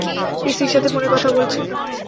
স্ত্রীর সাথে ফোনে কথা বলছে।